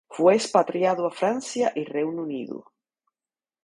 Fue expatriado a Francia y Reino Unido.